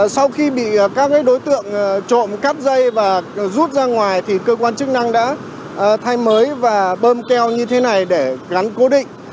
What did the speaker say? sau khi bị các đối tượng trộm cắt dây và rút ra ngoài thì cơ quan chức năng đã thay mới và bơm keo như thế này để gắn cố định